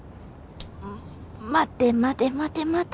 待て待て待て待て。